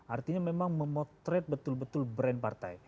artinya memang memotret betul betul brand partai